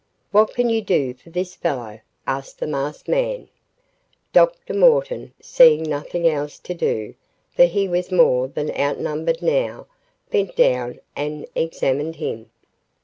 "What can you do for this fellow?" asked the masked man. Dr. Morton, seeing nothing else to do, for he was more than outnumbered now, bent down and examined him.